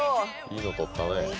いいの取ったね